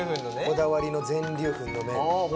こだわりの全粒粉の麺・ああ